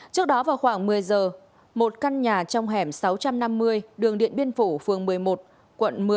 trước đó vào khoảng một mươi giờ một căn nhà trong hẻm sáu trăm năm mươi đường điện biên phủ phường một mươi một quận một mươi